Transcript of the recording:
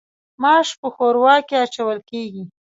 ماش په ښوروا کې اچول کیږي.